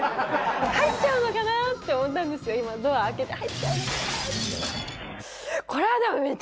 入っちゃうのかな？って思ったんですよ、ドア開けて、入っちゃうのかなって。